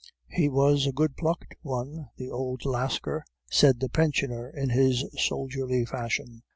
"'He was a good plucked one, the old Lascar!' said the pensioner in his soldierly fashion.